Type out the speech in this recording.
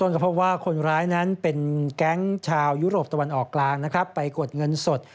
มันก็จะออกกลางไปกดเงินสด